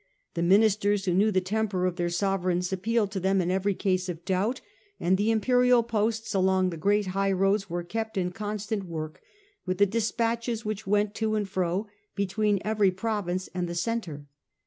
The ministers who knew the temper of their sovereigns appealed to them in every case of doubt, and the imperial posts along the great high roads were kepi in constant work with the despatches which went to and fro between every province and the centre.